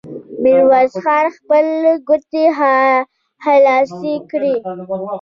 ميرويس خان خپلې ګوتې خلاصې کړې.